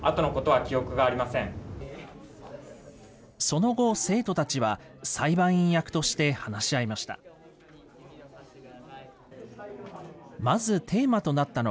その後、生徒たちは裁判員役として話し合いました。